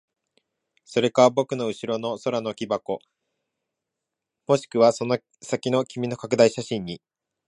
それか僕の後ろの空の木箱、もしくはその先の君の拡大写真に。